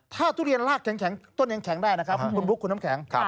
ถ้าทุเรียนลากแข็งต้นยังแข็งได้นะครับคุณบุ๊คคุณน้ำแข็ง